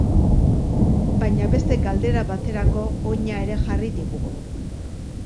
Baina beste galdera baterako oina ere jarri digu.